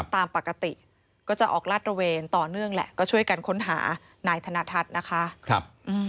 ตามปกติก็จะออกลาดระเวนต่อเนื่องแหละก็ช่วยกันค้นหานายธนทัศน์นะคะ